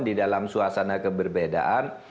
di dalam suasana keberbedaan